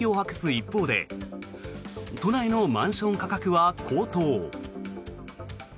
一方で都内のマンション価格は高騰。